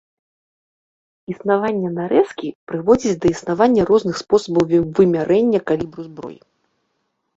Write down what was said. Існаванне нарэзкі прыводзіць да існавання розных спосабаў вымярэння калібру зброі.